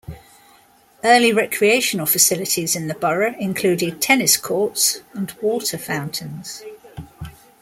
Early recreational facilities in the borough included tennis courts and water fountains.